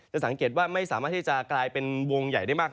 สังเกตว่าไม่สามารถที่จะกลายเป็นวงใหญ่ได้มาก